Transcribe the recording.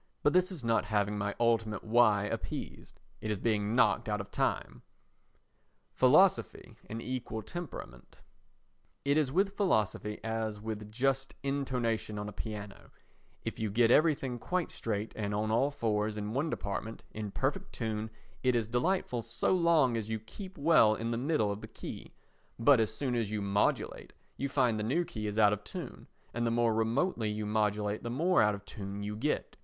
But this is not having my ultimate "Why?" appeased. It is being knocked out of time. Philosophy and Equal Temperament It is with philosophy as with just intonation on a piano, if you get everything quite straight and on all fours in one department, in perfect tune, it is delightful so long as you keep well in the middle of the key; but as soon as you modulate you find the new key is out of tune and the more remotely you modulate the more out of tune you get.